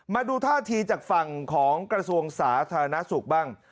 มาดูท่าทีจากฝั่งของกระทรวงสาธารณสุขบ้าง